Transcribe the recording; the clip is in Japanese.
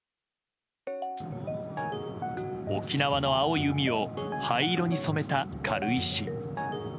沖縄の青い海を灰色に染めた軽石。